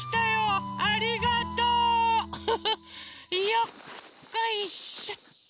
よっこいしょっと。